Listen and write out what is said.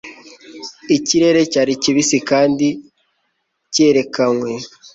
Ikirere cyari kibisi kandi cyerekanwe